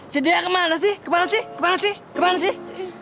sedia kemana sih kepana sih kepana sih kepana sih